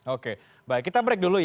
oke baik kita break dulu ya